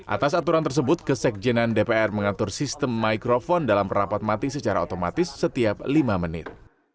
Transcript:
atas aturan tersebut kesekjenan dpr mengatur sistem mikrofon dalam rapat mati secara otomatis setiap lima menit